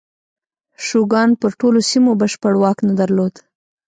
شوګان پر ټولو سیمو بشپړ واک نه درلود.